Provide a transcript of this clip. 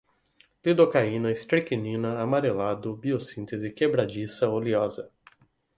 lidocaína, estricnina, amarelado, biossíntese, quebradiça, oleosa